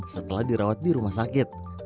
setelah dirawat di rumah sakit